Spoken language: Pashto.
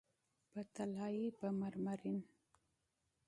په طلایې، په مرمرین